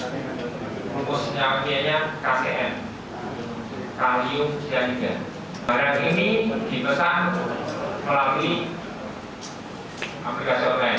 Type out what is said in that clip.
barat ini dibesan melalui aplikasi online